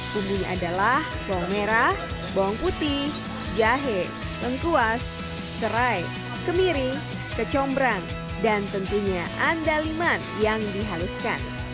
bumbunya adalah bawang merah bawang putih jahe lengkuas serai kemiri kecombrang dan tentunya andaliman yang dihaluskan